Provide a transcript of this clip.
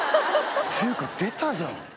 つーか出たじゃん！